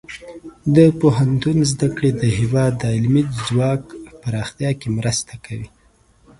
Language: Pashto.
د پوهنتون زده کړې د هیواد د علمي ځواک پراختیا کې مرسته کوي.